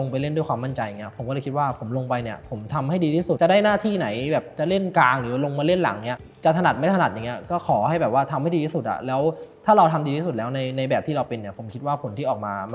โปรดติดตามตอนต่อไป